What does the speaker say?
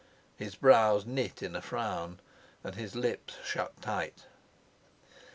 His brows knit in a frown, and his lips shut tight.